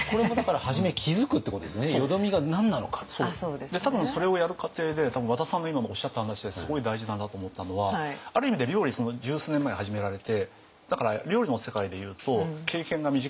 で多分それをやる過程で多分和田さんの今のおっしゃった話ですごい大事だなと思ったのはある意味で料理十数年前に始められてだから料理の世界でいうと経験が短いよそ者じゃないですか。